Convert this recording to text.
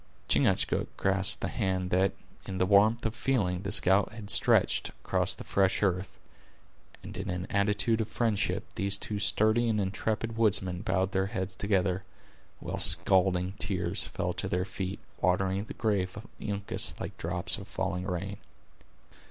Chingachgook grasped the hand that, in the warmth of feeling, the scout had stretched across the fresh earth, and in an attitude of friendship these two sturdy and intrepid woodsmen bowed their heads together, while scalding tears fell to their feet, watering the grave of Uncas like drops of falling rain.